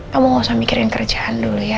kamu gak usah mikirin kerjaan dulu ya